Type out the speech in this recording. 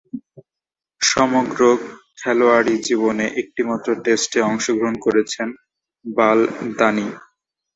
সমগ্র খেলোয়াড়ী জীবনে একটিমাত্র টেস্টে অংশগ্রহণ করেছেন বাল দানি।